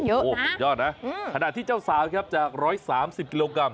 โอ้โฮยอดนะถ้าที่เจ้าสาวจาก๑๓๐กิโลกรัม